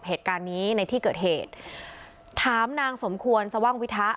เหตุการณ์นี้ในที่เกิดเหตุถามนางสมควรสว่างวิทะ